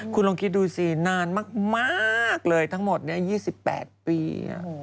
คุณลองคิดดูสินานมากเลยทั้งหมด๒๘ปี